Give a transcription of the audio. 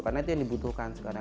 karena itu yang dibutuhkan sekarang